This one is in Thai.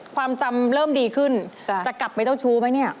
ความจำเริ่มดีขึ้นจะกลับไปเจ้าชู้ไหมเนี่ย